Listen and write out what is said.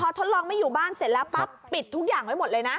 ทดลองไม่อยู่บ้านเสร็จแล้วปั๊บปิดทุกอย่างไว้หมดเลยนะ